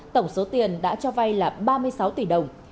tổng số tiền đã cho vay là ba mươi sáu tỷ đồng